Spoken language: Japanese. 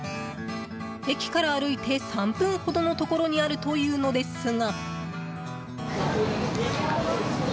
駅から歩いて３分ほどのところにあるというのですが。